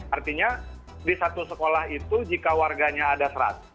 artinya di satu sekolah itu jika warganya ada seratus